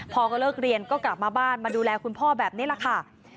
พอก็เลิกเรียนก็กลับมาบ้านมาดูแลคุณพ่อแบบนี้แหละค่ะ